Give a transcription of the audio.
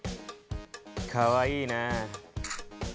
かわいいね。